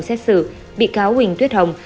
xét xử bị cáo huỳnh tuyết hồng